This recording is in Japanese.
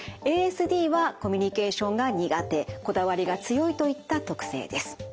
ＡＳＤはコミュニケーションが苦手こだわりが強いといった特性です。